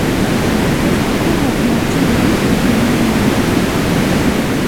Ad ḥkuɣ ɣef leɛǧayeb-ik akken ma llan.